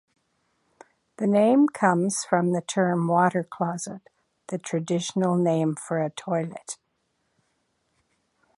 The name comes from the term "water closet", the traditional name for a toilet.